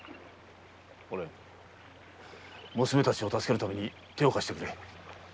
お蓮娘たちを助けるために手を貸してくれ。